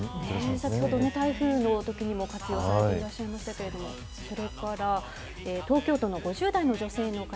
先ほど、台風のときにも活用されていらっしゃいましたけれども、それから、東京都の５０代の女性の方。